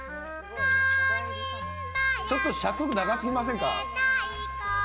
ちょっと尺、長すぎませんか？